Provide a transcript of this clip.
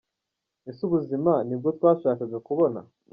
Ese ubu buzima ni bwo twashakaga kubona?